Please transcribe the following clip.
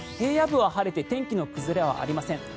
平野部は晴れて天気の崩れはありません。